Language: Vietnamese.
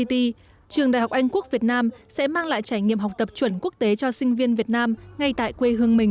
trường đại học anh quốc việt nam sẽ mang lại trải nghiệm học tập chuẩn quốc tế cho sinh viên việt nam ngay tại quê hương mình